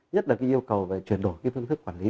nhất là cái yêu cầu về chuyển đổi cái phương thức quản lý